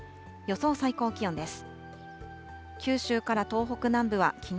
予想最高気温です。